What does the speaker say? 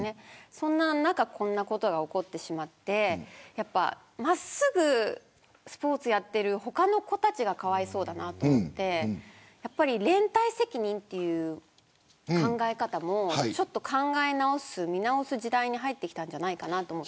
そんな中こういうことが起こってしまって真っすぐスポーツをやってる他の子たちがかわいそうだなと思って連帯責任という考え方も見直す時代に入ってきたんじゃないかなと思って。